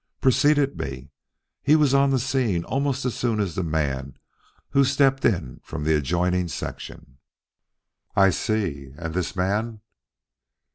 "Preceded me. He was on the scene almost as soon as the man who stepped in from the adjoining section." "I see. And this man?"